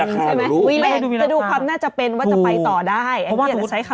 จะดูคำน่าจะเป็นว่าจะไปต่อได้